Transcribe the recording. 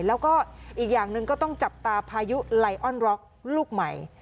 แล้วก็อีกอย่างหนึ่งก็ต้องจับตาพายุไลออนร็อกลูกใหม่